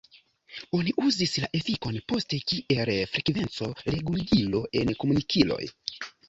Oni uzis la efikon poste kiel frekvenco-reguligilo en komunikiloj.